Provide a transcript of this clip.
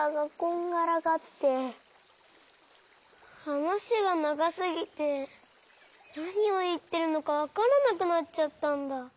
はなしがながすぎてなにをいってるのかわからなくなっちゃったんだ。